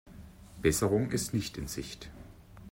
Besserung ist nicht in Sicht.